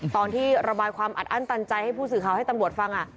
ตอนที่ระบายความอัดอั้นตันใจให้ผู้สื่อข่าวให้ตำรวจฟัง